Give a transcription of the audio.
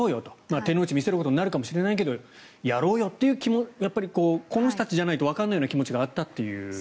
手の内見せることになるかもしれないけどやろうよというこの人たちじゃないとわからないような気持ちがあったと。